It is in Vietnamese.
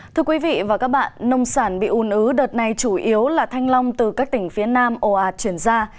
thưa quý vị và các bạn nông sản bị un ứ đợt này chủ yếu là thanh long từ các tỉnh phía nam oa chuyển ra